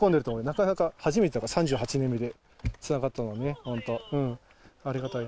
なかなか、初めてだから、３８年目で、つながったのがね、本当、ありがたい。